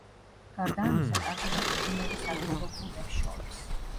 გარდა ამისა ტარდება ტურნირები საკლუბო გუნდებს შორის.